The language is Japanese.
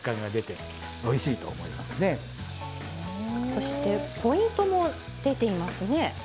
そしてポイントも出ていますね。